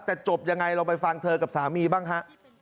แต่จบยังไงลองไปฟังเธอกับสามีบ้างฮะ